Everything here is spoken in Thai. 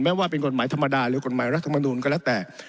ว่าเป็นกฎหมายธรรมดาหรือกฎหมายรัฐมนูลก็แล้วแต่